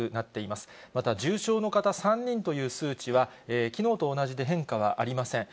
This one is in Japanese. また重症の方３人という数値は、きのうと同じで変化はありません。